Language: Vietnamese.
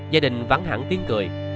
gia đình vắng hẳn tiếng cười